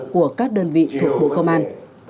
của các đơn vị thuộc bộ công an